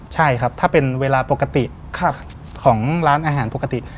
ใช่ครับถ้าเป็นเวลาปกติของร้านอาหารปกติ